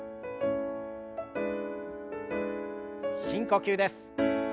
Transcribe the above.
深呼吸です。